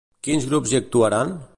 Quins grups hi actuaran?